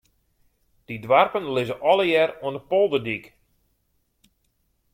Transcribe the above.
Dy doarpen lizze allegear oan de polderdyk.